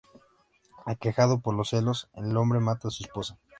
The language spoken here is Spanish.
Aquejado por los celos, el hombre mata a su esposa.